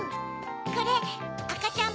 これあかちゃん